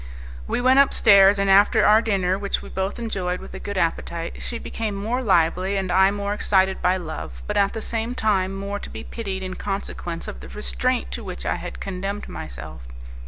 We went upstairs, and after our dinner which we both enjoyed with a good appetite, she became more lively and I more excited by love, but at the same time more to be pitied in consequence of the restraint to which I had condemned myself.